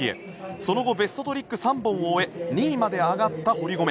その後ベストトリック３本を終え、２位まで上がった堀米。